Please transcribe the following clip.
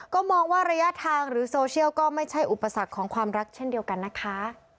ก็มองว่าระยะทางหรือโซเชียลก็ไม่ใช่อุปสรรคของความรักเช่นเดียวกันนะคะ